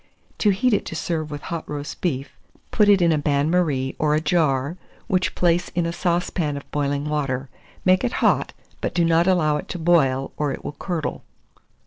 To heat it to serve with hot roast beef, put it in a bain marie or a jar, which place in a saucepan of boiling water; make it hot, but do not allow it to boil, or it will curdle.